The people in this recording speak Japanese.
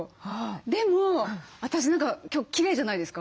でも私何か今日きれいじゃないですか？